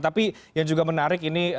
tapi yang juga menarik ini